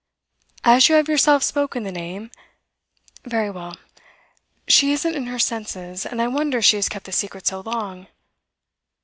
'As you have yourself spoken the name ' 'Very well. She isn't in her senses, and I wonder she has kept the secret so long.